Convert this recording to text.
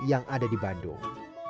yang ada di bandung